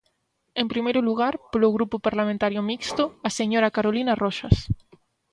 En primeiro lugar, polo Grupo Parlamentario Mixto, a señora Carolina Roxas.